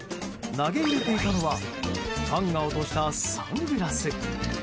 投げ入れていたのはファンが落としたサングラス。